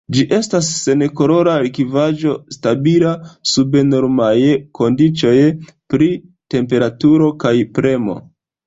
Ĝi estas senkolora likvaĵo, stabila sub normaj kondiĉoj pri temperaturo kaj premo.